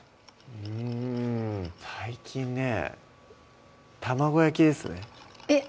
うん最近ね卵焼きですねえっ